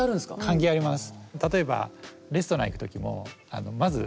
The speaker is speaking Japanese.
関係あります。